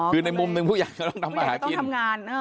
คือในมุมมายินผู้ใหญ่ก็ต้องทำปรายหากิน